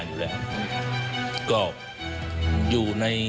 สวัสดีครับ